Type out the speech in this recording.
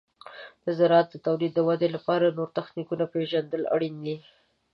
د زراعت د تولید د ودې لپاره د نوو تخنیکونو پیژندل اړین دي.